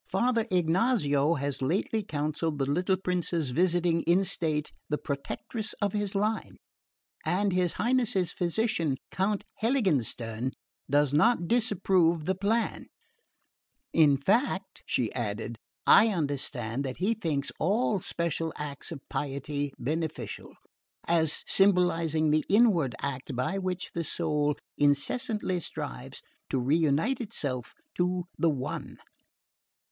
Father Ignazio has lately counselled the little prince's visiting in state the protectress of his line, and his Highness's physician, Count Heiligenstern, does not disapprove the plan. In fact," she added, "I understand that he thinks all special acts of piety beneficial, as symbolising the inward act by which the soul incessantly strives to reunite itself to the One."